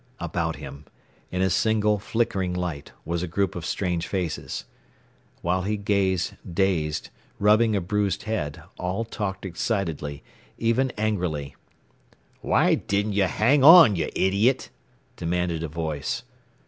About him, in a single flickering light, was a group of strange faces. While he gazed, dazed, rubbing a bruised head, all talked excitedly, even angrily. "Why didn't you hang on, you idiot?" demanded a voice.